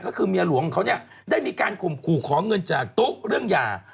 ก็คือเมียหลวงของเขาเนี่ยได้มีการข่มขู่ขอเงินจากตู้เรื่องหย่า